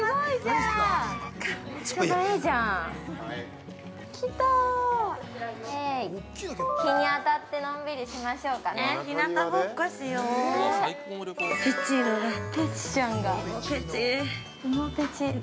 ◆日に当たってのんびりしましょうかね。